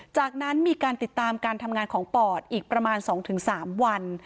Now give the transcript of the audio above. จากนั้นมีการติดตามการทำงานของปอดอีกประมาณ๒๓วัน